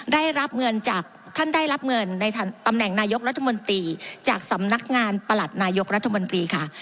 ได้รับเงินจากท่านได้รับเงินในตำแหน่งนายกรัฐมนตรีจากสำนักงานประหลัดนายกรัฐมนตรีค่ะ